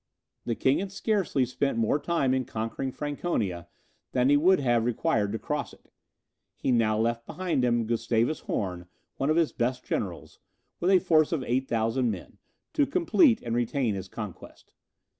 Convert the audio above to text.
The king had scarcely spent more time in conquering Franconia, than he would have required to cross it. He now left behind him Gustavus Horn, one of his best generals, with a force of 8,000 men, to complete and retain his conquest.